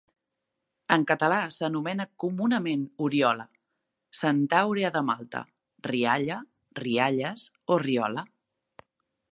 En català s'anomena comunament oriola, centàurea de Malta, rialla, rialles o riola.